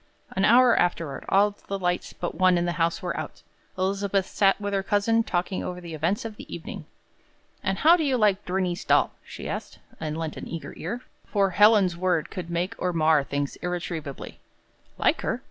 '" An hour afterward, all the lights but one in the house were out. Elizabeth sat with her cousin talking over the events of the evening. "And how do you like Bernice Dahl?" she asked, and lent an eager ear; for Helen's word could make or mar things irretrievably. "Like her?